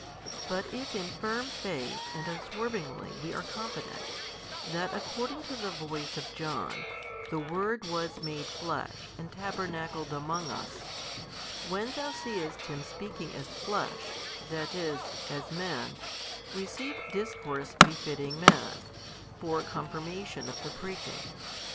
But if in firm faith and unswervingly we are confident, that according to the voice of John, The Word was made Flesh, and tabernacled among us, when thou seest Him speaking as Flesh, that is, as Man, receive discourse befitting man, for confirmation of the preaching.